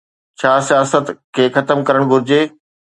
ڇا سياست کي ختم ڪرڻ گهرجي؟